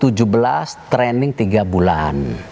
tujuh belas training tiga bulan